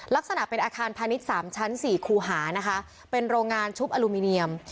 ลักษณะเป็นอาคารพาณิชย์สามชั้นสี่คูหานะคะเป็นโรงงานชุบอลูมิเนียม